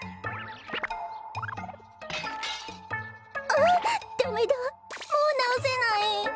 あっダメだもうなおせない。